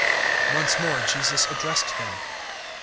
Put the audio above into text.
"] 008:012 Once more Jesus addressed them.